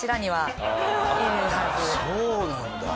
そうなんだ。